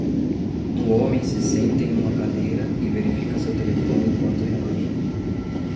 Um homem se senta em uma cadeira e verifica seu telefone enquanto relaxa.